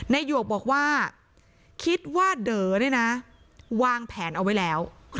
หยวกบอกว่าคิดว่าเด๋อเนี่ยนะวางแผนเอาไว้แล้ว